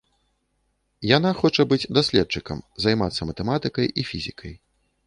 Яна хоча быць даследчыкам, займацца матэматыкай і фізікай.